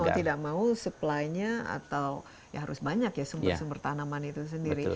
jadi mau tidak mau supply nya atau ya harus banyak ya sumber sumber tanaman itu sendiri